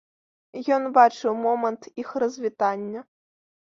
Ён бачыў момант іх развітання.